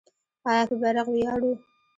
آیا په بیرغ ویاړو؟